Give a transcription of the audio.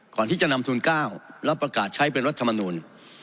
ก่อนที่จะนำทูล๙แล้วประกาศใช้เป็นรัฐมนูล